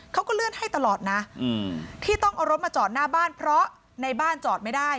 เขาก็เลื่อนให้ตลอดนะที่ต้องเอารถมาจอดหน้าบ้านเพราะในบ้านจอดไม่ได้